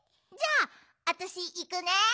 じゃああたしいくね！